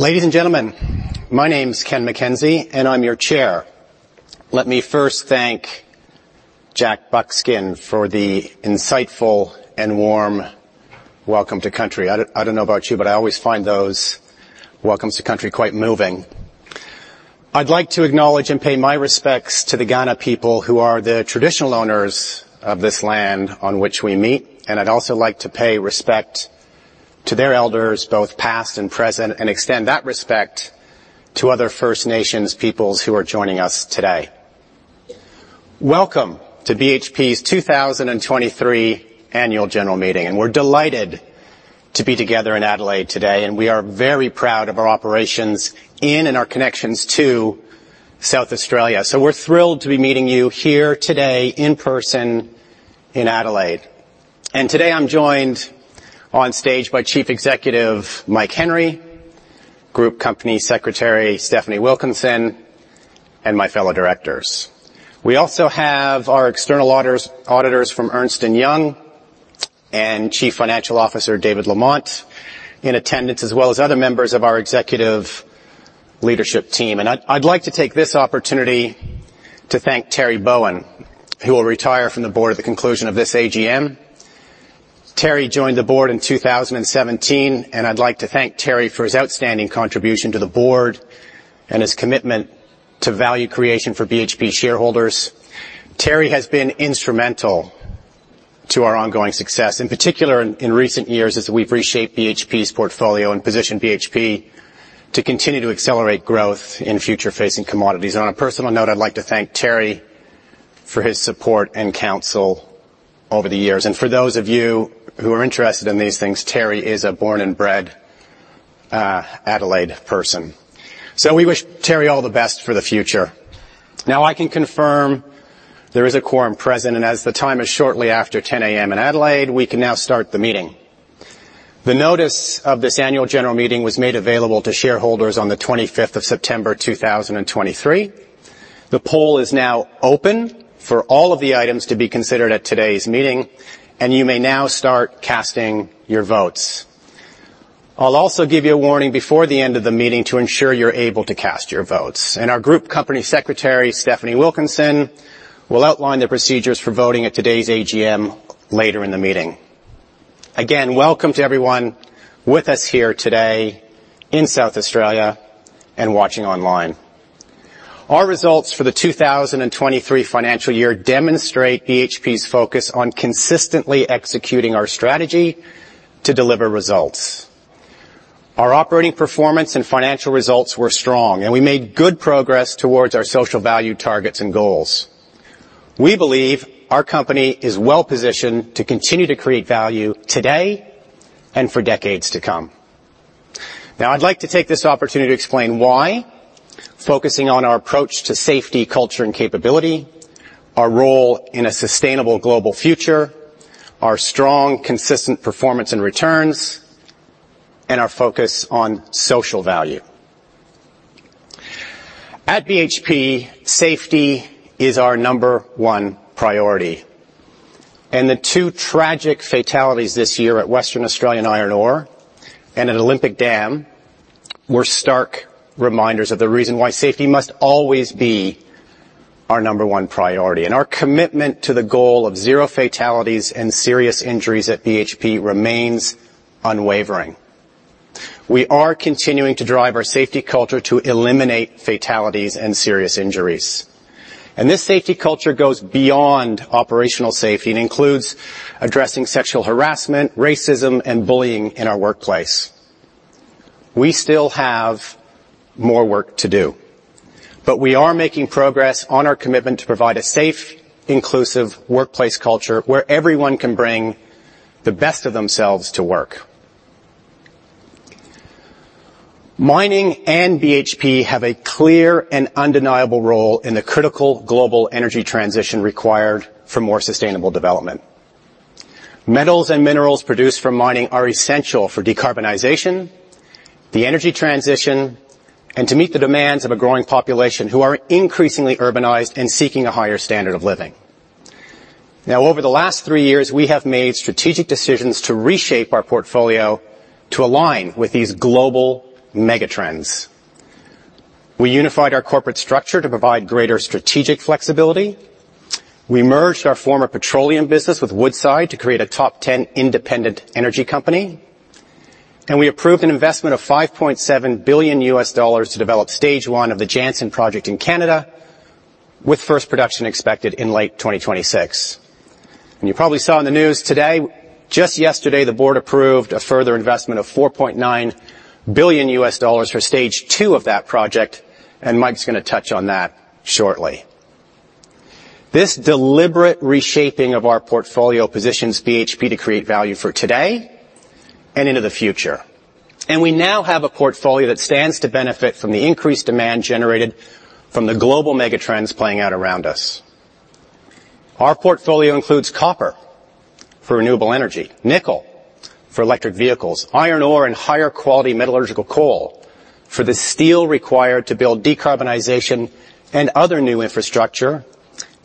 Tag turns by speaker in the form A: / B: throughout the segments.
A: Ladies and gentlemen, my name is Ken MacKenzie, and I'm your chair. Let me first thank Jack Buckskin for the insightful and warm welcome to country. I don't know about you, but I always find those welcomes to country quite moving. I'd like to acknowledge and pay my respects to the Kaurna people who are the traditional owners of this land on which we meet, and I'd also like to pay respect to their elders, both past and present, and extend that respect to other First Nations peoples who are joining us today. Welcome to BHP's 2023 Annual General Meeting, and we're delighted to be together in Adelaide today, and we are very proud of our operations in, and our connections to South Australia. So we're thrilled to be meeting you here today in person in Adelaide. Today, I'm joined on stage by Chief Executive Mike Henry, Group Company Secretary Stefanie Wilkinson, and my fellow directors. We also have our external auditors from Ernst & Young, and Chief Financial Officer David Lamont in attendance, as well as other members of our executive leadership team. I'd like to take this opportunity to thank Terry Bowen, who will retire from the board at the conclusion of this AGM. Terry joined the board in 2017, and I'd like to thank Terry for his outstanding contribution to the board and his commitment to value creation for BHP shareholders. Terry has been instrumental to our ongoing success, in particular, in recent years, as we've reshaped BHP's portfolio and positioned BHP to continue to accelerate growth in future-facing commodities. On a personal note, I'd like to thank Terry for his support and counsel over the years. And for those of you who are interested in these things, Terry is a born and bred Adelaide person. So we wish Terry all the best for the future. Now, I can confirm there is a quorum present, and as the time is shortly after 10:00 A.M. in Adelaide, we can now start the meeting. The notice of this annual general meeting was made available to shareholders on the 25th September, 2023. The poll is now open for all of the items to be considered at today's meeting, and you may now start casting your votes. I'll also give you a warning before the end of the meeting to ensure you're able to cast your votes. Our Group Company Secretary, Stefanie Wilkinson, will outline the procedures for voting at today's AGM later in the meeting. Again, welcome to everyone with us here today in South Australia and watching online. Our results for the 2023 financial year demonstrate BHP's focus on consistently executing our strategy to deliver results. Our operating performance and financial results were strong, and we made good progress towards our social value targets and goals. We believe our company is well-positioned to continue to create value today and for decades to come. Now, I'd like to take this opportunity to explain why, focusing on our approach to safety, culture, and capability, our role in a sustainable global future, our strong, consistent performance and returns, and our focus on social value. At BHP, safety is our number one priority, and the two tragic fatalities this year at Western Australian Iron Ore and at Olympic Dam were stark reminders of the reason why safety must always be our number one priority, and our commitment to the goal of zero fatalities and serious injuries at BHP remains unwavering. We are continuing to drive our safety culture to eliminate fatalities and serious injuries. This safety culture goes beyond operational safety and includes addressing sexual harassment, racism, and bullying in our workplace. We still have more work to do, but we are making progress on our commitment to provide a safe, inclusive workplace culture where everyone can bring the best of themselves to work. Mining and BHP have a clear and undeniable role in the critical global energy transition required for more sustainable development. Metals and minerals produced from mining are essential for decarbonization, the energy transition, and to meet the demands of a growing population who are increasingly urbanized and seeking a higher standard of living. Now, over the last three years, we have made strategic decisions to reshape our portfolio to align with these global megatrends. We unified our corporate structure to provide greater strategic flexibility. We merged our former petroleum business with Woodside to create a top 10 independent energy company. We approved an investment of $5.7 billion to develop Stage 1 of the Jansen project in Canada, with first production expected in late 2026. You probably saw in the news today, just yesterday, the board approved a further investment of $4.9 billion for Stage 2 of that project, and Mike's gonna touch on that shortly. This deliberate reshaping of our portfolio positions BHP to create value for today and into the future. We now have a portfolio that stands to benefit from the increased demand generated from the global megatrends playing out around us. Our portfolio includes copper for renewable energy, nickel for electric vehicles, iron ore, and higher-quality metallurgical coal for the steel required to build decarbonization and other new infrastructure,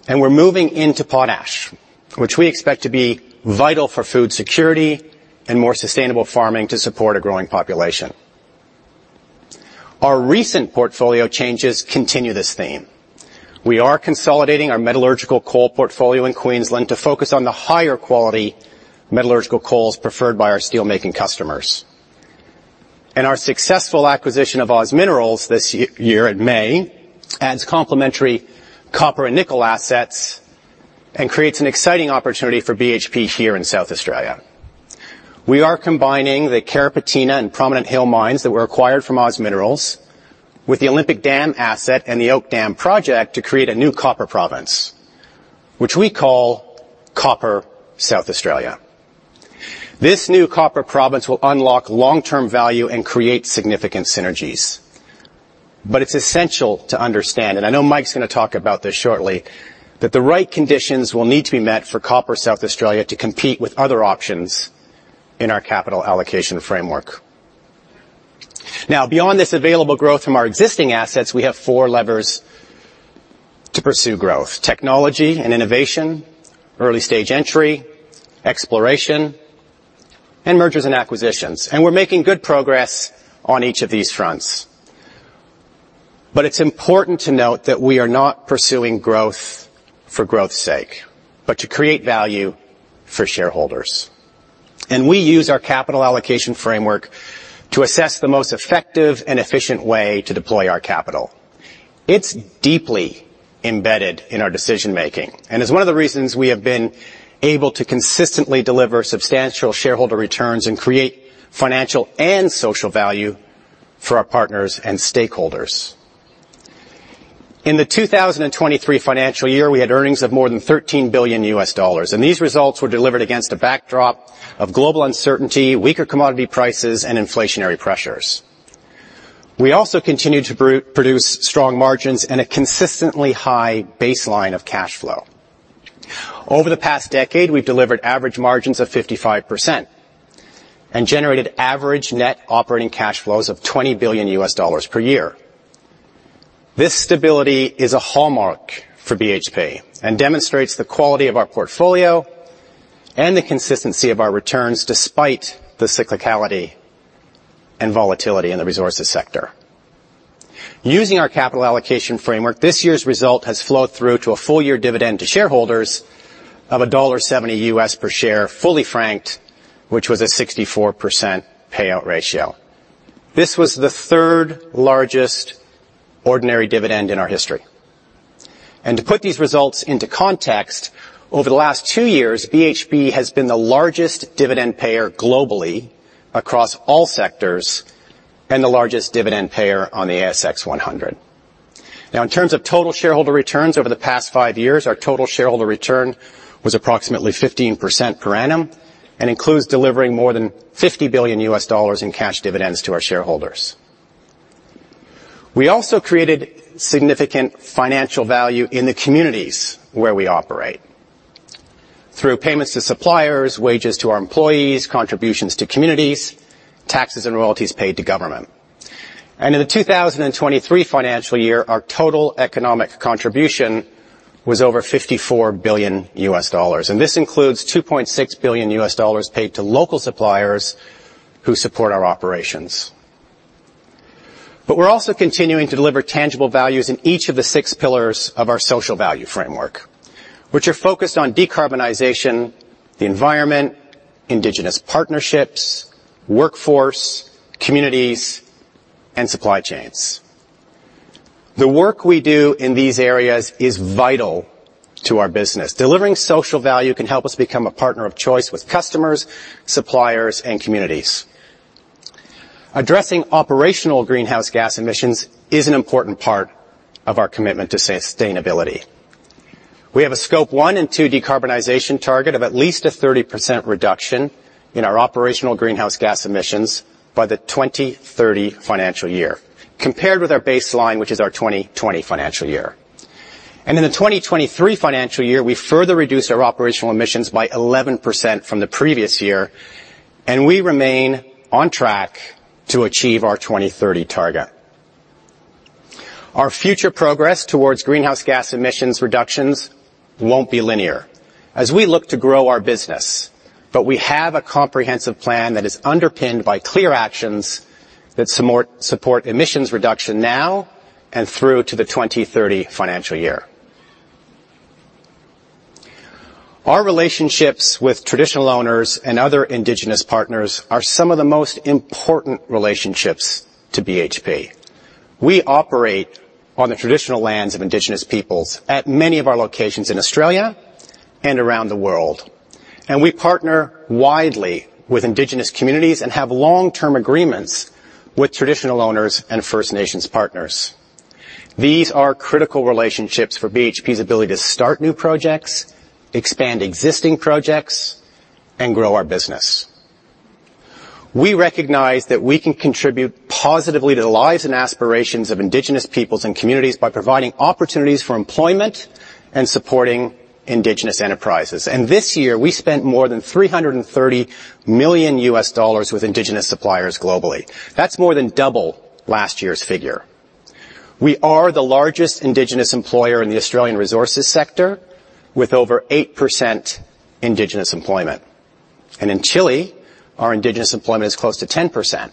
A: and we're moving into potash, which we expect to be vital for food security and more sustainable farming to support a growing population. Our recent portfolio changes continue this theme. We are consolidating our metallurgical coal portfolio in Queensland to focus on the higher-quality metallurgical coals preferred by our steelmaking customers. Our successful acquisition of OZ Minerals this year in May adds complementary copper and nickel assets and creates an exciting opportunity for BHP here in South Australia. We are combining the Carrapateena and Prominent Hill mines that were acquired from OZ Minerals, with the Olympic Dam asset and the Oak Dam project to create a new copper province, which we call Copper South Australia. This new copper province will unlock long-term value and create significant synergies. But it's essential to understand, and I know Mike's gonna talk about this shortly, that the right conditions will need to be met for Copper South Australia to compete with other options in our capital allocation framework. Now, beyond this available growth from our existing assets, we have four levers to pursue growth: technology and innovation, early-stage entry, exploration, and mergers and acquisitions. We're making good progress on each of these fronts. But it's important to note that we are not pursuing growth for growth's sake, but to create value for shareholders. We use our capital allocation framework to assess the most effective and efficient way to deploy our capital. It's deeply embedded in our decision-making and is one of the reasons we have been able to consistently deliver substantial shareholder returns and create financial and social value for our partners and stakeholders. In the 2023 financial year, we had earnings of more than $13 billion, and these results were delivered against a backdrop of global uncertainty, weaker commodity prices, and inflationary pressures. We also continued to produce strong margins and a consistently high baseline of cash flow. Over the past decade, we've delivered average margins of 55% and generated average net operating cash flows of $20 billion per year. This stability is a hallmark for BHP and demonstrates the quality of our portfolio and the consistency of our returns despite the cyclicality and volatility in the resources sector. Using our capital allocation framework, this year's result has flowed through to a full-year dividend to shareholders of $1.70 per share, fully franked, which was a 64% payout ratio. This was the third-largest ordinary dividend in our history. To put these results into context, over the last two years, BHP has been the largest dividend payer globally across all sectors and the largest dividend payer on the ASX 100. Now, in terms of total shareholder returns over the past five years, our total shareholder return was approximately 15% per annum and includes delivering more than $50 billion in cash dividends to our shareholders. We also created significant financial value in the communities where we operate, through payments to suppliers, wages to our employees, contributions to communities, taxes and royalties paid to government. In the 2023 financial year, our total economic contribution was over $54 billion, and this includes $2.6 billion paid to local suppliers who support our operations. We're also continuing to deliver tangible values in each of the six pillars of our social value framework, which are focused on decarbonization, the environment, indigenous partnerships, workforce, communities, and supply chains. The work we do in these areas is vital to our business. Delivering social value can help us become a partner of choice with customers, suppliers, and communities. Addressing operational greenhouse gas emissions is an important part of our commitment to sustainability. We have a Scope 1 and 2 decarbonization target of at least a 30% reduction in our operational greenhouse gas emissions by the 2030 financial year, compared with our baseline, which is our 2020 financial year. And in the 2023 financial year, we further reduced our operational emissions by 11% from the previous year, and we remain on track to achieve our 2030 target. Our future progress towards greenhouse gas emissions reductions won't be linear as we look to grow our business, but we have a comprehensive plan that is underpinned by clear actions that support emissions reduction now and through to the 2030 financial year. Our relationships with traditional owners and other indigenous partners are some of the most important relationships to BHP. We operate on the traditional lands of indigenous peoples at many of our locations in Australia and around the world, and we partner widely with indigenous communities and have long-term agreements with traditional owners and First Nations partners. These are critical relationships for BHP's ability to start new projects, expand existing projects, and grow our business. We recognize that we can contribute positively to the lives and aspirations of indigenous peoples and communities by providing opportunities for employment and supporting indigenous enterprises. This year, we spent more than $330 million with indigenous suppliers globally. That's more than double last year's figure. We are the largest indigenous employer in the Australian resources sector, with over 8% indigenous employment. In Chile, our indigenous employment is close to 10%,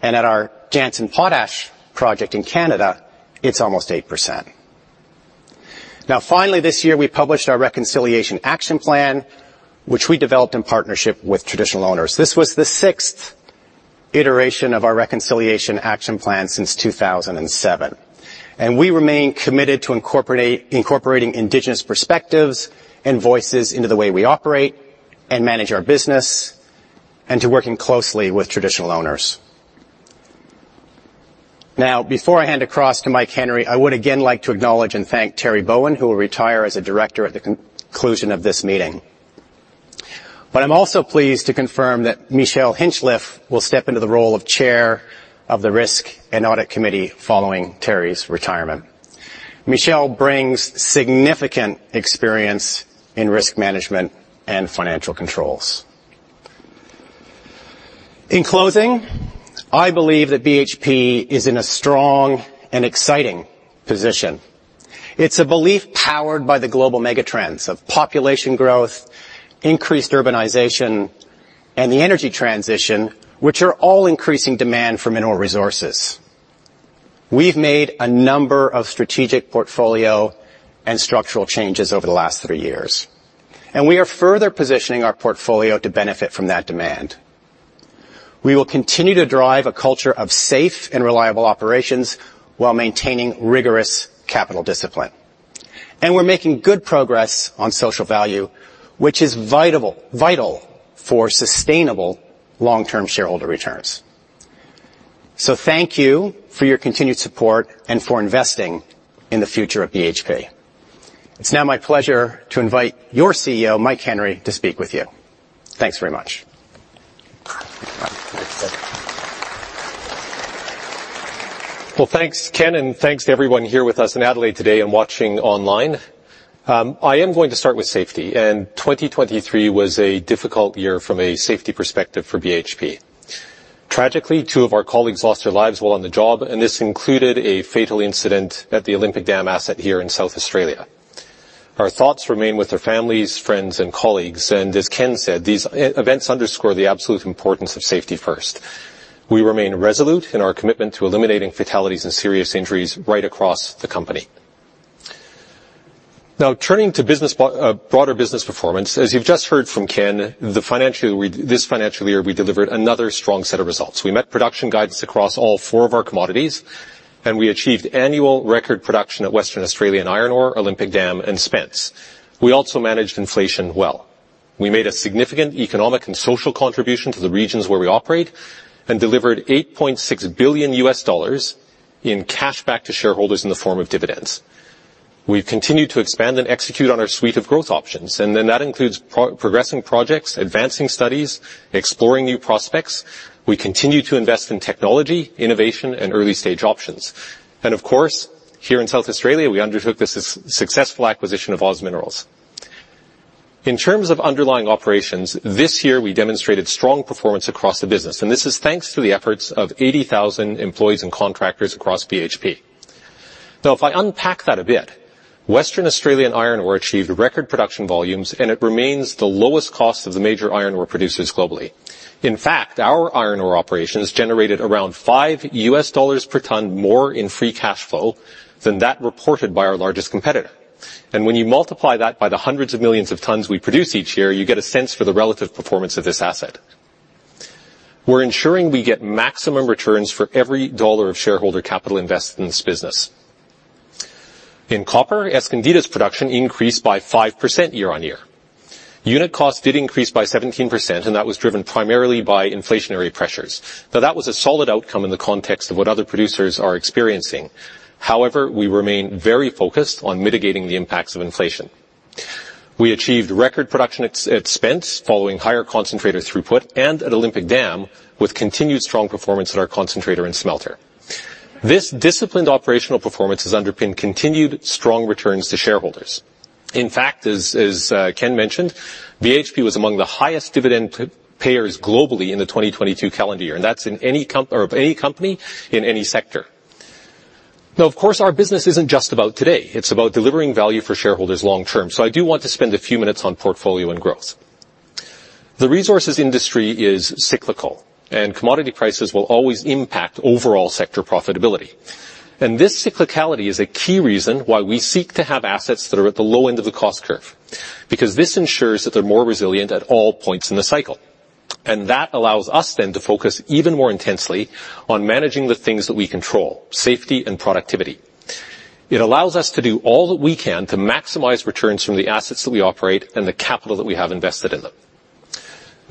A: and at our Jansen potash project in Canada, it's almost 8%. Now, finally, this year, we published our Reconciliation Action Plan, which we developed in partnership with traditional owners. This was the sixth iteration of our Reconciliation Action Plan since 2007, and we remain committed to incorporating indigenous perspectives and voices into the way we operate and manage our business, and to working closely with traditional owners. Now, before I hand across to Mike Henry, I would again like to acknowledge and thank Terry Bowen, who will retire as a director at the conclusion of this meeting. But I'm also pleased to confirm that Michelle Hinchliffe will step into the role of Chair of the Risk and Audit Committee, following Terry's retirement. Michelle brings significant experience in risk management and financial controls. In closing, I believe that BHP is in a strong and exciting position. It's a belief powered by the global mega trends of population growth, increased urbanization, and the energy transition, which are all increasing demand for mineral resources. We've made a number of strategic portfolio and structural changes over the last three years, and we are further positioning our portfolio to benefit from that demand. We will continue to drive a culture of safe and reliable operations while maintaining rigorous capital discipline. And we're making good progress on social value, which is vital, vital for sustainable long-term shareholder returns. So thank you for your continued support, and for investing in the future of BHP. It's now my pleasure to invite your CEO, Mike Henry, to speak with you. Thanks very much.
B: Well, thanks, Ken, and thanks to everyone here with us in Adelaide today and watching online. I am going to start with safety, and 2023 was a difficult year from a safety perspective for BHP. Tragically, two of our colleagues lost their lives while on the job, and this included a fatal incident at the Olympic Dam asset here in South Australia. Our thoughts remain with their families, friends, and colleagues, and as Ken said, these events underscore the absolute importance of safety first. We remain resolute in our commitment to eliminating fatalities and serious injuries right across the company. Now, turning to broader business performance. As you've just heard from Ken, this financial year, we delivered another strong set of results. We met production guidance across all four of our commodities, and we achieved annual record production at Western Australian Iron Ore, Olympic Dam, and Spence. We also managed inflation well. We made a significant economic and social contribution to the regions where we operate, and delivered $8.6 billion in cash back to shareholders in the form of dividends. We've continued to expand and execute on our suite of growth options, and then that includes progressing projects, advancing studies, exploring new prospects. We continue to invest in technology, innovation, and early-stage options, and of course, here in South Australia, we undertook the successful acquisition of OZ Minerals. In terms of underlying operations, this year, we demonstrated strong performance across the business, and this is thanks to the efforts of 80,000 employees and contractors across BHP. Now, if I unpack that a bit, Western Australian Iron Ore achieved record production volumes, and it remains the lowest cost of the major iron ore producers globally. In fact, our iron ore operations generated around $5 per ton more in free cash flow than that reported by our largest competitor. And when you multiply that by the hundreds of millions of tons we produce each year, you get a sense for the relative performance of this asset. We're ensuring we get maximum returns for every dollar of shareholder capital invested in this business. In copper, Escondida's production increased by 5% year-on-year. Unit cost did increase by 17%, and that was driven primarily by inflationary pressures. So that was a solid outcome in the context of what other producers are experiencing. However, we remain very focused on mitigating the impacts of inflation. We achieved record production at Spence, following higher concentrator throughput and at Olympic Dam, with continued strong performance at our concentrator and smelter. This disciplined operational performance has underpinned continued strong returns to shareholders. In fact, as Ken mentioned, BHP was among the highest dividend payers globally in the 2022 calendar year, and that's in any company or of any company in any sector. Now, of course, our business isn't just about today. It's about delivering value for shareholders long term. So I do want to spend a few minutes on portfolio and growth. The resources industry is cyclical, and commodity prices will always impact overall sector profitability. And this cyclicality is a key reason why we seek to have assets that are at the low end of the cost curve, because this ensures that they're more resilient at all points in the cycle. That allows us then to focus even more intensely on managing the things that we control: safety and productivity. It allows us to do all that we can to maximize returns from the assets that we operate and the capital that we have invested in them.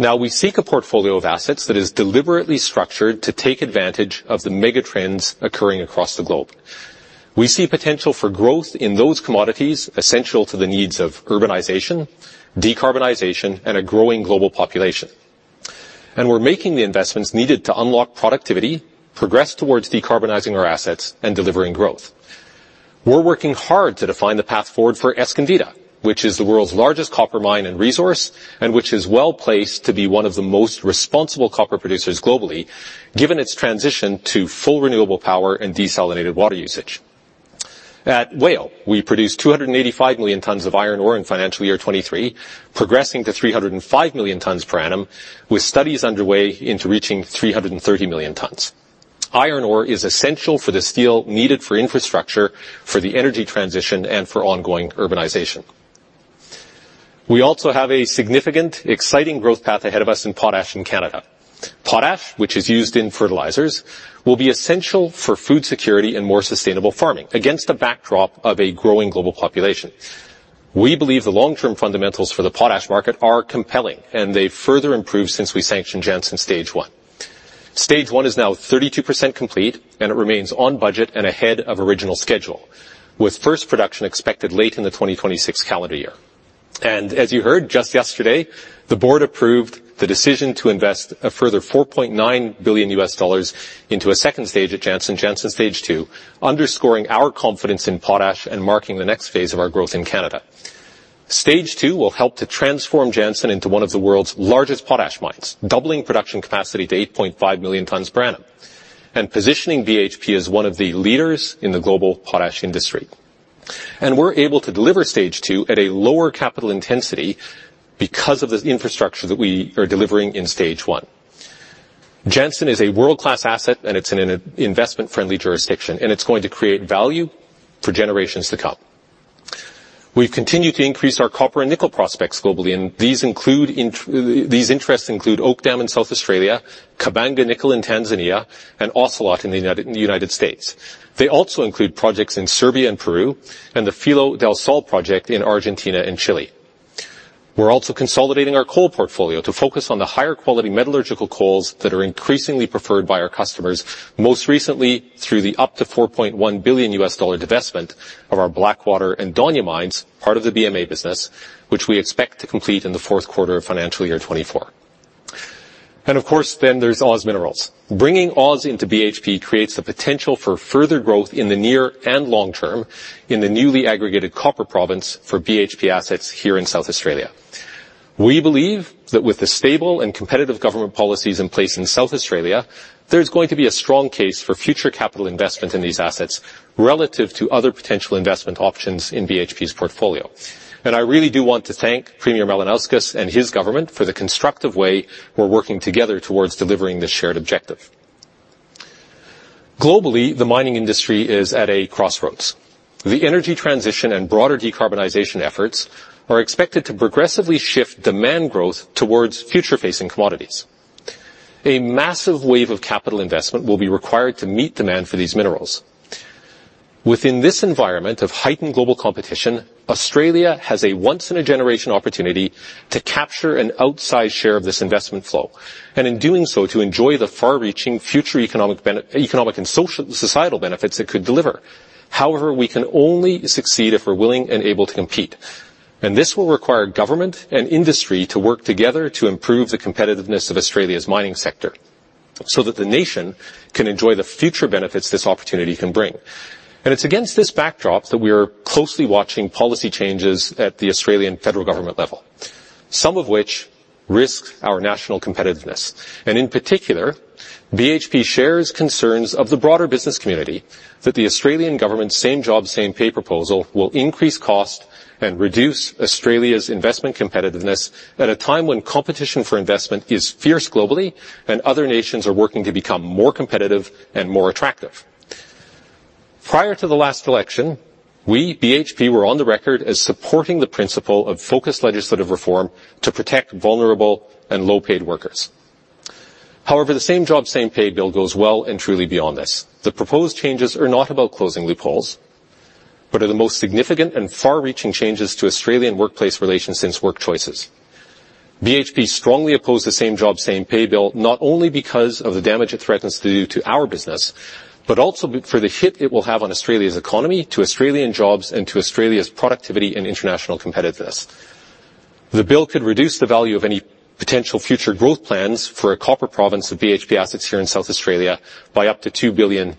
B: Now, we seek a portfolio of assets that is deliberately structured to take advantage of the mega trends occurring across the globe. We see potential for growth in those commodities, essential to the needs of urbanization, decarbonization, and a growing global population. And we're making the investments needed to unlock productivity, progress towards decarbonizing our assets, and delivering growth. We're working hard to define the path forward for Escondida, which is the world's largest copper mine and resource, and which is well-placed to be one of the most responsible copper producers globally, given its transition to full renewable power and desalinated water usage. At WAIO, we produced 285 million tons of iron ore in financial year 2023, progressing to 305 million tons per annum, with studies underway into reaching 330 million tons. Iron ore is essential for the steel needed for infrastructure, for the energy transition, and for ongoing urbanization. We also have a significant, exciting growth path ahead of us in potash in Canada. Potash, which is used in fertilizers, will be essential for food security and more sustainable farming against the backdrop of a growing global population. We believe the long-term fundamentals for the potash market are compelling, and they've further improved since we sanctioned Jansen Stage 1. Stage 1 is now 32% complete, and it remains on budget and ahead of original schedule, with first production expected late in the 2026 calendar year. As you heard, just yesterday, the board approved the decision to invest a further $4.9 billion into a second stage at Jansen, Jansen Stage 2, underscoring our confidence in potash and marking the next phase of our growth in Canada. Stage 2 will help to transform Jansen into one of the world's largest potash mines, doubling production capacity to 8.5 million tons per annum, and positioning BHP as one of the leaders in the global potash industry. We're able to deliver Stage 2 at a lower capital intensity because of the infrastructure that we are delivering in Stage 1. Jansen is a world-class asset, and it's in an investment-friendly jurisdiction, and it's going to create value for generations to come. We've continued to increase our copper and nickel prospects globally, and these interests include Oak Dam in South Australia, Kabanga Nickel in Tanzania, and Ocelot in the United States. They also include projects in Serbia and Peru, and the Filo del Sol project in Argentina and Chile. We're also consolidating our coal portfolio to focus on the higher-quality metallurgical coals that are increasingly preferred by our customers, most recently through the up to $4.1 billion divestment of our Blackwater and Daunia mines, part of the BMA business, which we expect to complete in the fourth quarter of financial year 2024. And of course, then there's OZ Minerals. Bringing OZ into BHP creates the potential for further growth in the near and long term in the newly aggregated copper province for BHP assets here in South Australia. We believe that with the stable and competitive government policies in place in South Australia, there's going to be a strong case for future capital investment in these assets relative to other potential investment options in BHP's portfolio. I really do want to thank Premier Malinauskas and his government for the constructive way we're working together towards delivering this shared objective. Globally, the mining industry is at a crossroads. The energy transition and broader decarbonization efforts are expected to progressively shift demand growth towards future-facing commodities. A massive wave of capital investment will be required to meet demand for these minerals. Within this environment of heightened global competition, Australia has a once-in-a-generation opportunity to capture an outsized share of this investment flow, and in doing so, to enjoy the far-reaching future economic, societal benefits it could deliver. However, we can only succeed if we're willing and able to compete, and this will require government and industry to work together to improve the competitiveness of Australia's mining sector so that the nation can enjoy the future benefits this opportunity can bring. It's against this backdrop that we are closely watching policy changes at the Australian federal government level, some of which risk our national competitiveness. In particular, BHP shares concerns of the broader business community that the Australian government's Same Job, Same Pay proposal will increase cost and reduce Australia's investment competitiveness at a time when competition for investment is fierce globally, and other nations are working to become more competitive and more attractive. Prior to the last election, we, BHP, were on the record as supporting the principle of focused legislative reform to protect vulnerable and low-paid workers. However, the same job, same pay bill goes well and truly beyond this. The proposed changes are not about closing loopholes, but are the most significant and far-reaching changes to Australian workplace relations since WorkChoices. BHP strongly oppose the same job, same pay bill, not only because of the damage it threatens to do to our business, but also for the hit it will have on Australia's economy, to Australian jobs, and to Australia's productivity and international competitiveness. The bill could reduce the value of any potential future growth plans for a copper province of BHP assets here in South Australia by up to $2 billion,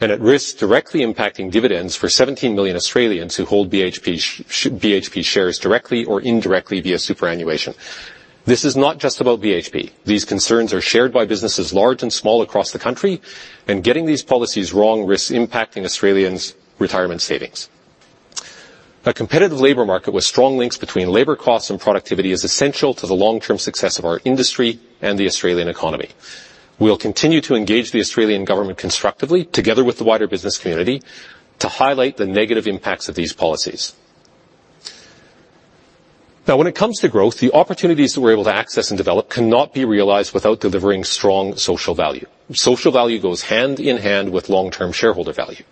B: and at risk directly impacting dividends for 17 million Australians who hold BHP shares directly or indirectly via superannuation. This is not just about BHP. These concerns are shared by businesses large and small across the country, and getting these policies wrong risks impacting Australians' retirement savings. A competitive labor market with strong links between labor costs and productivity is essential to the long-term success of our industry and the Australian economy. We'll continue to engage the Australian government constructively, together with the wider business community, to highlight the negative impacts of these policies. Now, when it comes to growth, the opportunities that we're able to access and develop cannot be realized without delivering strong social value. Social value goes hand in hand with long-term shareholder value.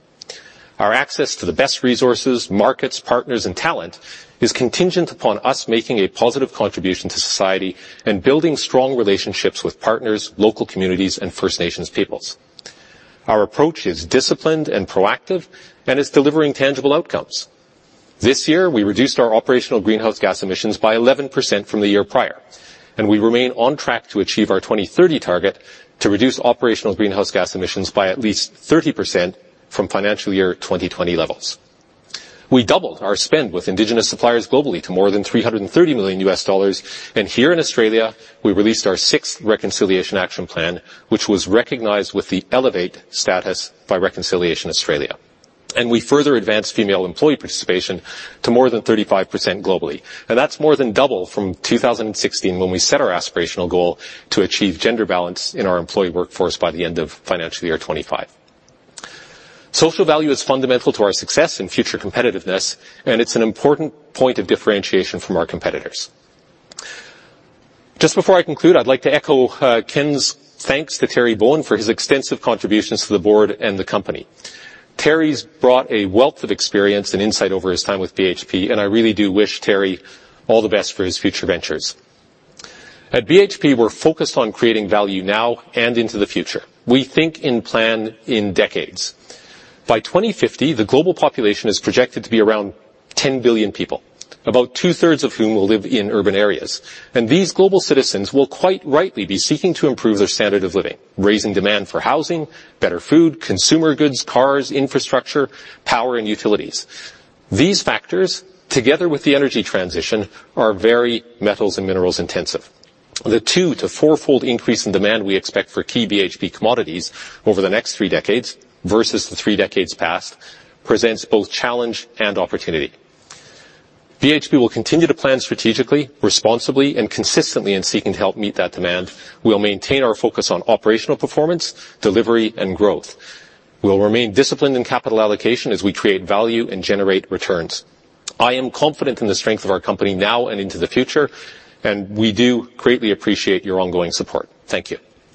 B: Our access to the best resources, markets, partners, and talent is contingent upon us making a positive contribution to society and building strong relationships with partners, local communities, and First Nations peoples. Our approach is disciplined and proactive, and is delivering tangible outcomes. This year, we reduced our operational greenhouse gas emissions by 11% from the year prior, and we remain on track to achieve our 2030 target to reduce operational greenhouse gas emissions by at least 30% from financial year 2020 levels. We doubled our spend with Indigenous suppliers globally to more than $330 million, and here in Australia, we released our sixth Reconciliation Action Plan, which was recognized with the Elevate status by Reconciliation Australia. We further advanced female employee participation to more than 35% globally. That's more than double from 2016, when we set our aspirational goal to achieve gender balance in our employee workforce by the end of financial year 2025. Social value is fundamental to our success and future competitiveness, and it's an important point of differentiation from our competitors. Just before I conclude, I'd like to echo Ken's thanks to Terry Bowen for his extensive contributions to the board and the company. Terry's brought a wealth of experience and insight over his time with BHP, and I really do wish Terry all the best for his future ventures. At BHP, we're focused on creating value now and into the future. We think and plan in decades. By 2050, the global population is projected to be around 10 billion people, about two-thirds of whom will live in urban areas. And these global citizens will, quite rightly, be seeking to improve their standard of living, raising demand for housing, better food, consumer goods, cars, infrastructure, power, and utilities. These factors, together with the energy transition, are very metals and minerals intensive. The two- to four-fold increase in demand we expect for key BHP commodities over the next three decades versus the three decades past, presents both challenge and opportunity. BHP will continue to plan strategically, responsibly, and consistently in seeking to help meet that demand. We'll maintain our focus on operational performance, delivery, and growth. We'll remain disciplined in capital allocation as we create value and generate returns. I am confident in the strength of our company now and into the future, and we do greatly appreciate your ongoing support. Thank you.